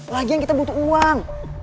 lagian kita butuh uang